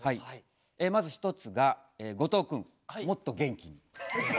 まず１つが後藤くんもっと元気に。